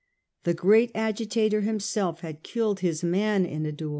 The great agitator himself had killed his man in a dud.